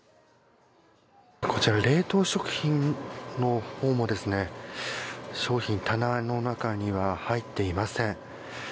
こちら冷凍食品のほうも商品、棚の中には入っていません。